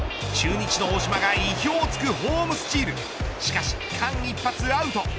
中日の大島が意表を突くホームスチールしかし間一髪アウト。